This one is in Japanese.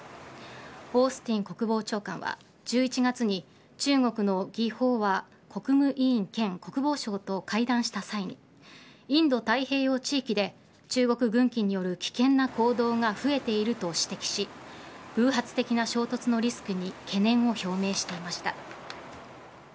オースティン国防長官は１１月に中国の魏鳳和国務委員兼国防相と会談した際にインド太平洋地域で中国軍機による危険な行動が増えていると指摘し偶発的な衝突のリスクに懸念を表明していました。